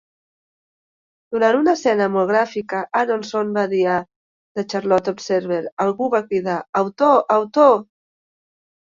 Durant una escena molt gràfica, Aronson va dir a "The Charlotte Observer", algú va cridar "Autor, autor!".